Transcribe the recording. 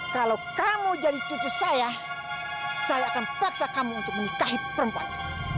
kalau kamu jadi cucu saya saya akan paksa kamu untuk menikahi perempuan